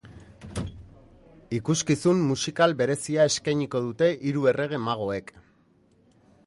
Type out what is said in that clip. Ikuskizun musikal berezia eskainiko dute hiru errege magoek.